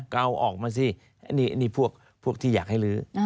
ก็เอาออกมาสินี่พวกที่อยากให้ลื้อ